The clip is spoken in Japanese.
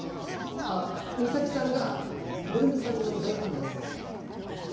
あ美咲さんがブル美さんの大ファンだそうで。